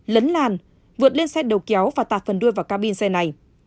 lấn làn vượt lên xe đầu kéo và tạt phần đuôi vào cabin xe này